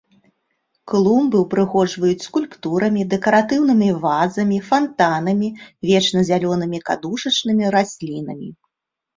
Клумбы ўпрыгожваюць скульптурамі, дэкаратыўнымі вазамі, фантанамі, вечназялёнымі кадушачнымі раслінамі.